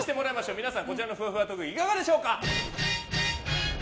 皆さんこちらのふわふわ特技いかがでしょうか。